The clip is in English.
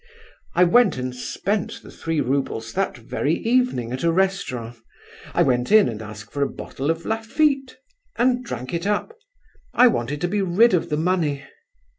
I went and spent the three roubles that very evening at a restaurant. I went in and asked for a bottle of Lafite, and drank it up; I wanted to be rid of the money.